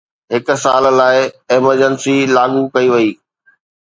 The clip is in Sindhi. هڪ سال لاءِ ايمرجنسي لاڳو ڪئي وئي